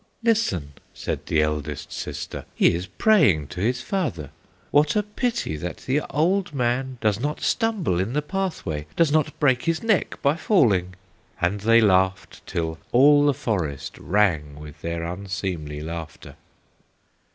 "'Listen!' said the eldest sister, 'He is praying to his father! What a pity that the old man Does not stumble in the pathway, Does not break his neck by falling!' And they laughed till all the forest Rang with their unseemly laughter.